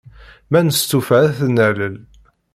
Ma nestufa, ad t-nalel.